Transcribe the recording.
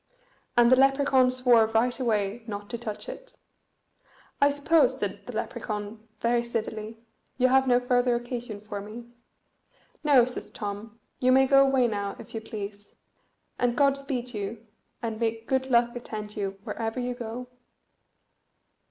And the Lepracaun swore right away not to touch it. "I suppose," said the Lepracaun, very civilly, "you have no further occasion for me?" "No," says Tom; "you may go away now, if you please, and God speed you, and may good luck attend you wherever you go."